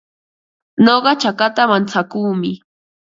Nuqa chakata mantsakuumi.